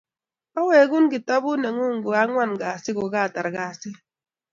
awengun kitabut nengung ko anguan kasi ko katar kasit